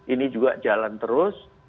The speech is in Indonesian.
ini juga jalan terus